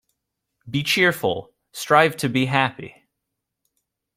Be cheerful. Strive to be happy.